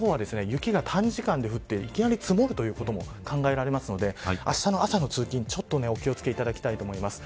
こちらの方は雪が短時間で降っていきなり積もることも考えられるのであしたの朝の通勤、お気を付けていただきたいと思います。